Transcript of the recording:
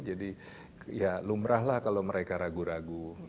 jadi ya lumrah lah kalau mereka ragu ragu